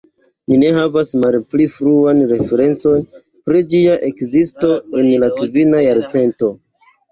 Ni ne havas malpli fruan referencon pri ĝia ekzisto en la kvina jarcento.